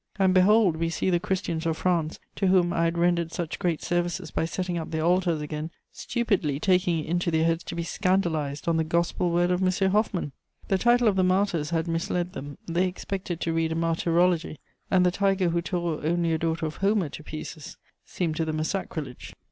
And behold, we see the Christians of France, to whom I had rendered such great services by setting up their altars again, stupidly taking it into their heads to be scandalized on the gospel word of M. Hoffmann! The title of the Martyrs had misled them: they expected to read a martyrology, and the tiger who tore only a daughter of Homer to pieces seemed to them a sacrilege.